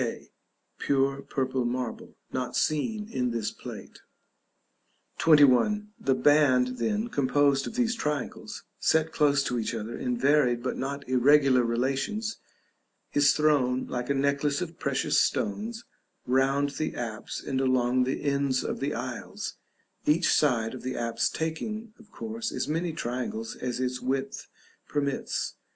k. Pure purple marble, not seen in this plate. [Illustration: Plate III. INLAID BANDS OF MURANO.] § XXI. The band, then, composed of these triangles, set close to each other in varied but not irregular relations, is thrown, like a necklace of precious stones, round the apse and along the ends of the aisles; each side of the apse taking, of course, as many triangles as its width permits.